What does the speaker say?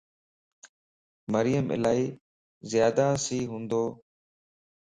مريم الائي زياداسي ھوندو